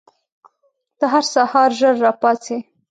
ته هر سهار ژر راپاڅې؟